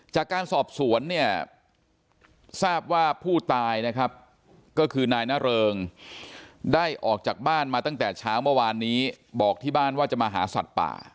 จากการสอบสวนเนี่ยทราบว่าผู้ตายนะครับก็คือนายนาเริงได้ออกจากบ้านมาตั้งแต่เช้าเมื่อวานนี้บอกที่บ้านว่าจะมาหาสัตว์ป่า